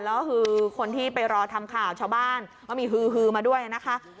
แล้วก็คือคนที่ไปรอทำข่าวชาวบ้านก็มีฮือมาด้วยนะคะ